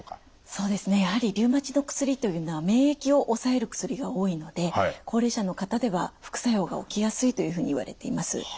そうですねやはりリウマチの薬というのは免疫を抑える薬が多いので高齢者の方では副作用が起きやすいというふうにいわれています。